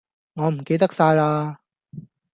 我唔記得晒啦